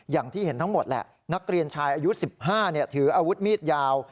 อย่างที่เห็นทั้งหมดแหละนักเรียนชายอายุ๑๕ถืออาวุธมีดยาว